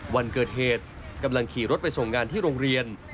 วันเกิดเหตุกำลังขี่รถไปส่งงานที่โรงเรียน